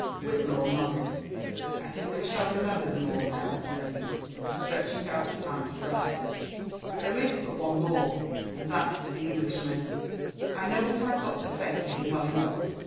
Whitlaw nodded. '* I think I shall remember them all now," said he, stretching out his hand for the letters. '* There is but one more, and that s to the Englishman : I know what I've got to say to him well enough."